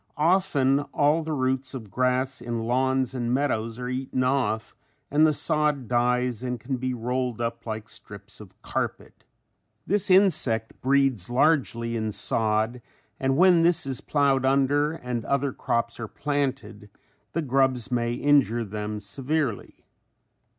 Often all the roots of grass in lawns and meadows are eaten off and the sod dies and can be rolled up like strips of carpet. This insect breeds largely in sod and when this is plowed under and other crops are planted the grubs may injure them severely.